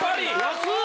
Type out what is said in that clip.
安っ！